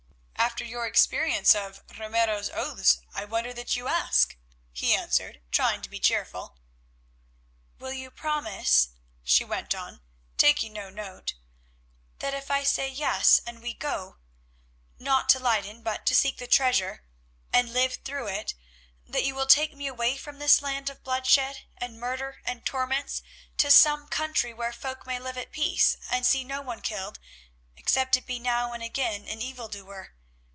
"After your experience of Ramiro's oaths I wonder that you ask," he answered, trying to be cheerful. "Will you promise," she went on, taking no note, "that if I say yes and we go, not to Leyden, but to seek the treasure, and live through it, that you will take me away from this land of bloodshed and murder and torments, to some country where folk may live at peace, and see no one killed, except it be now and again an evil doer?